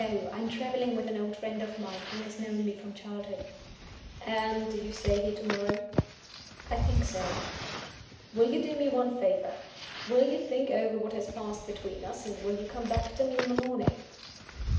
I am traveling with an old friend of mine, who has known me from childhood." "And do you stay here to morrow?" "I think so." "Will you do me one favor? Will you think over what has passed between us, and will you come back to me in the morning?"